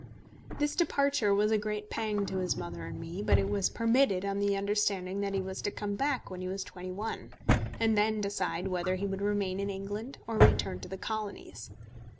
This departure was a great pang to his mother and me; but it was permitted on the understanding that he was to come back when he was twenty one, and then decide whether he would remain in England or return to the Colonies.